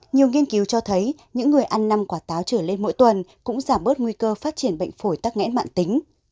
nhiều nghiên cứu cho thấy những người ăn năm quả táo trở lên mỗi tuần cũng giảm bớt nguy cơ phát triển bệnh phổi tắc nghẽn mạng tính